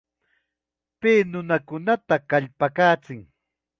Pay nunakunata kallpakachin.